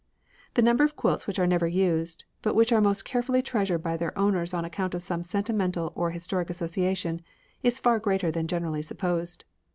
The number of quilts which are never used, but which are most carefully treasured by their owners on account of some sentimental or historic association, is far greater than generally supposed.